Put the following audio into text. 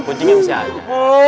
iya kucingnya masih ada